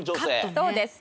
そうです。